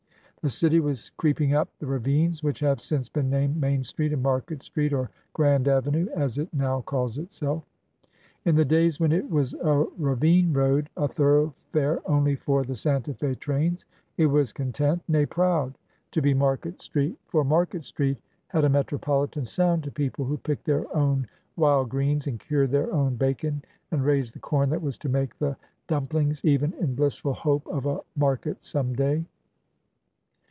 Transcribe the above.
The city was creeping up the ravines which have since been named Main Street and Market Street (or Grand Avenue, as it now calls itself). In the days when it was a ravine road, a thoroughfare only for the Santa Fe trains, it was content — nay, proud — to be Market Street, for Market Street " had a metropolitan sound to people who picked their own wild greens and cured their own bacon, and raised the corn that was to make the dump lings," even, in blissful hope of a market some day.